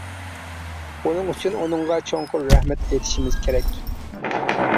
بۇنىڭ ئۈچۈن ئۇنىڭغا چوڭقۇر رەھمەت ئېيتىشىمىز كېرەك.